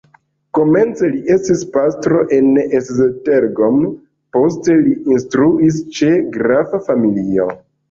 Komence li estis pastro en Esztergom, poste li instruis ĉe grafa familio.